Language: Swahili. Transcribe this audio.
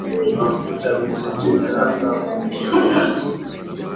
mafuta ya mizeituni yanafaa kupikia viazi